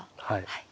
はい。